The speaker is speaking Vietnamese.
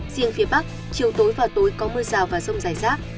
riêng phía bắc chiều tối và tối có mưa rào và rông rải rác